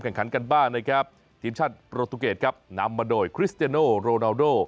การกันบ้านทีมชาติโปรตุเกตนำมาโดยคริสเตียโนโรนาลโด